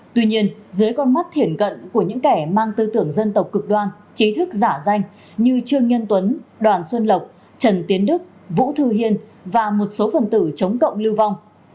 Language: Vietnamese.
tuy nhiên dưới con mắt hiển cận của những kẻ mang tư tưởng dân tộc cực đoan trí thức giả danh như trương nhân tuấn đoàn xuân lộc trần tiến đức vũ thư hiên và một số phần tử chống cộng lưu vong